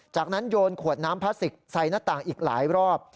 จากนั้นโยนขวดน้ำพลาสติกใส่หน้าต่างอีกหลายรอบ